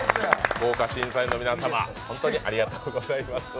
豪華審査員の皆様、本当にありがとうございます。